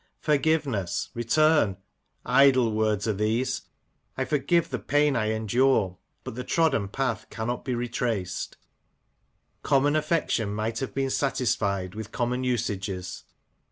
Forgiveness ! Return ! Idle words are these ! I forgive the pain I endure ; but the trodden path cannot be retraced. *' Common affection might have been satisfied with common usages.